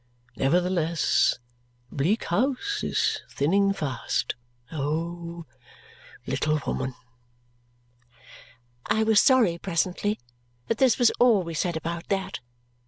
Nevertheless, Bleak House is thinning fast, O little woman!" I was sorry presently that this was all we said about that.